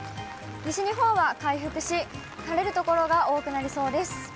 西日本は回復し、晴れる所が多くなりそうです。